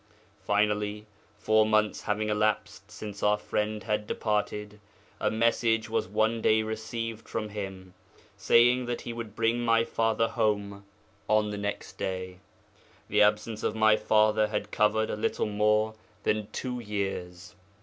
Finally, four months having elapsed since our friend had departed, a message was one day received from him saying that he would bring my father home on the next day. The absence of my father had covered a little more than two years.